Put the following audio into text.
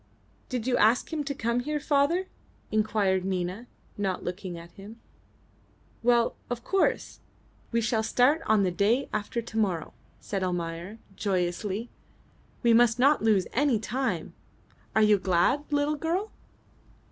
"Did you ask him to come here, father?" inquired Nina, not looking at him. "Well, of course. We shall start on the day after to morrow," said Almayer, joyously. "We must not lose any time. Are you glad, little girl?"